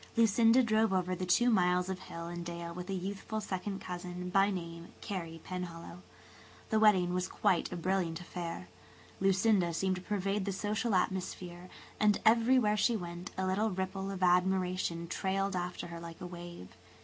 Lucinda drove over the two miles of hill and dale with a youthful second cousin, by name, Carey Penhallow. The wedding was quite a brilliant affair. Lucinda seemed to pervade the social atmosphere, and everywhere she went a little ripple of admiration trailed after her like a wave.